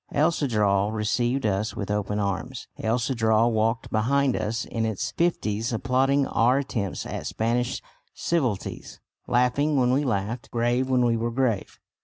El Cedral received us with open arms. El Cedral walked behind us in its fifties, applauding our attempts at Spanish civilities, laughing when we laughed, grave when we were grave.